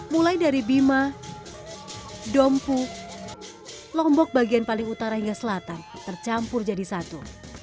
mulai dari bima dompu lombok bagian paling utara hingga selatan tercampur jadi satu